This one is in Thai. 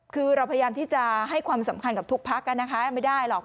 คือเราพยายามที่จะให้ความสำคัญกับทุกพักนะคะไม่ได้หรอก